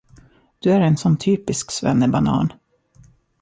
Du är en sån typisk svennebanan.